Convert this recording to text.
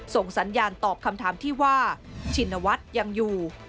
ส่งสัญญาณตอบคำถามที่ว่าชินวัฒน์ยังอยู่